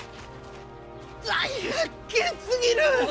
大発見すぎる！